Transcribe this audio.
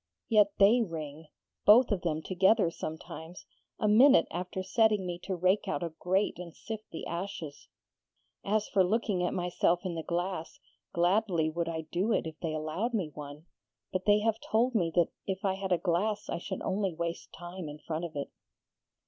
Yet they ring both of them together sometimes a minute after setting me to rake out a grate and sift the ashes. As for looking at myself in the glass, gladly would I do it if they allowed me one. But they have told me that if I had a glass I should only waste time in front of it.'